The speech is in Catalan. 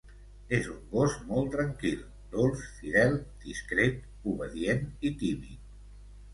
És un gos molt tranquil, dolç, fidel, discret, obedient i tímid.